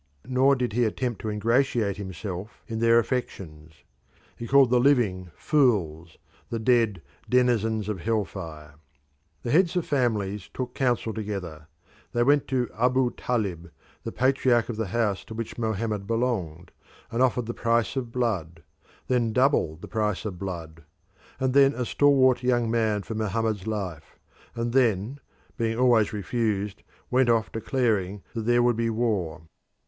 Nor did he attempt to ingratiate himself in their affections. "He called the living fools, the dead denizens of hell fire." The heads of families took counsel together. They went to Abu Talib, the patriarch of the house to which Mohammed belonged, and offered the price of blood, and then double the price of blood, and then a stalwart young man for Mohammed's life, and then, being always refused, went off declaring that there would be war.